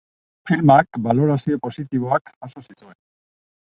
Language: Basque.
Filmak balorazio positiboak jaso zituen.